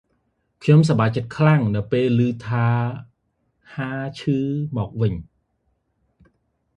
ខ្ញុំសប្បាយចិត្តខ្លាំង ពេលដែលលឺថា ហាឈីមកវិញ។